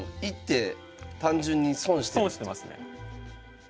損してますね。